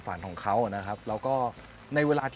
คุณต้องเป็นผู้งาน